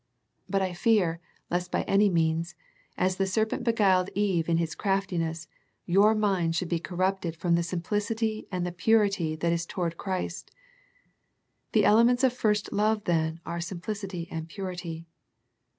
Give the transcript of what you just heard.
"But I fear, lest by any means, as the serpent beguiled Eve in his craf tiness, your minds should be corrupted from the simplicity and the purity that is toward Christ." The elements of first love then are simplicity and purity.